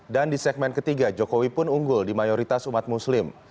dan di segmen ketiga jokowi pun unggul di mayoritas umat muslim